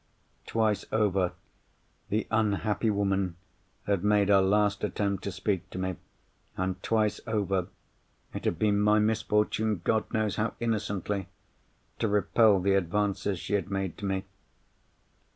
Twice over, the unhappy woman had made her last attempt to speak to me. And twice over, it had been my misfortune (God knows how innocently!) to repel the advances she had made to me.